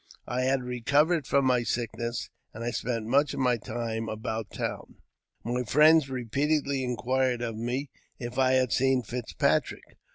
I had recovered from my sickness, and I spent much of my time about town. My friends repeatedly inquired of me if I had seen Fitzpatrick.